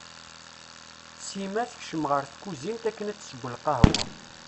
Sima tekcem ɣer tkuzint akken ad tessew lqahwa.